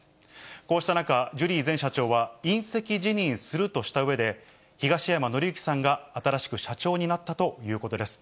こうした中、ジュリー前社長は、引責辞任するとしたうえで、東山紀之さんが新しく社長になったということです。